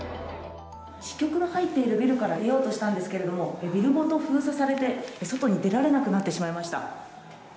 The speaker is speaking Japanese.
支局の入っているビルから出ようとしたんですけれども、ビルごと封鎖されて、外に出られなくなってしまいました。